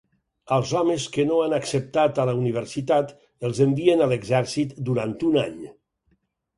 Als homes que no han acceptat a la universitat els envien a l'exèrcit durant un any.